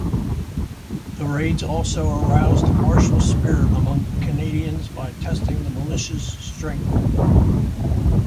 The raids also aroused a martial spirit among Canadians by testing the militia's strength.